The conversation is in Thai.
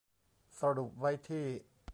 สรุปไว้ที่